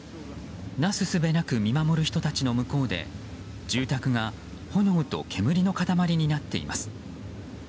なすすべなく見守る人たちの向こうで住宅が炎と煙の塊になっています。